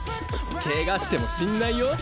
ケガしても知んないよ。